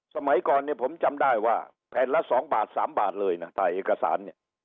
สมัยก่อนผมจำได้ว่าแผ่นละ๒๓บาทเลยถ่ายเอกสาร